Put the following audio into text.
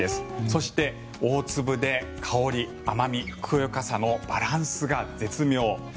そして大粒で香り、甘み、ふくよかさのバランスが絶妙。